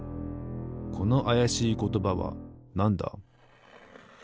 このあやしいことばはなんだ？